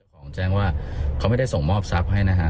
ของแจ้งว่าเขาไม่ได้ส่งมอบทรัพย์ให้นะฮะ